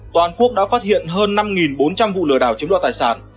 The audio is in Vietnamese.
toàn quốc đã phát hiện hơn năm bốn trăm linh vụ lừa đảo chiếm đoạt tài sản